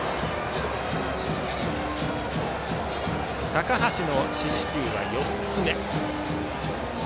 高橋の四死球は４つ目。